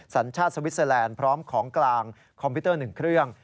สัญชาติสวิสเตอร์แลนด์พร้อมของกลางคอมพิวเตอร์๑เครื่อง